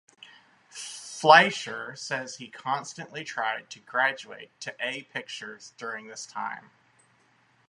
Fleischer says he constantly tried to graduate to A pictures during this time.